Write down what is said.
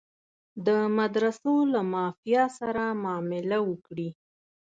د مدرسو له مافیا سره معامله وکړي.